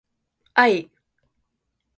愛